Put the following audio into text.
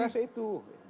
saya rasa itu